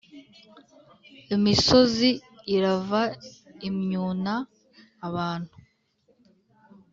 imisozi irava imyuna abantu